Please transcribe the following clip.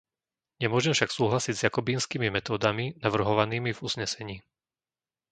Nemôžem však súhlasiť s jakobínskymi metódami navrhovanými v uznesení.